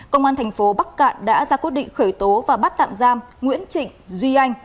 công an thành phố bắc cạn đã ra quyết định khởi tố và bắt tạm giam nguyễn trịnh duy anh